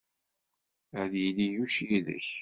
Ad yili Yuc yid-k.